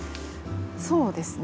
そうですね。